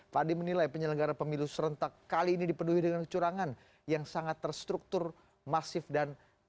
fadli menilai penyelenggara pemilu serentak kali ini dipenuhi dengan kecurangan yang sangat terstruktur masif dan